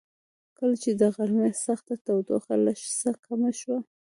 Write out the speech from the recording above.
کله چې د غرمې سخته تودوخه لږ څه کمه شوه.